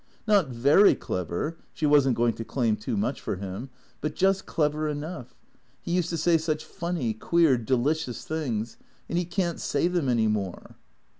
Not very clever " (she was n't going to claim too much for him), "but just clever enough. He used to say such funny, queer, delicious things. And he can't say them any more."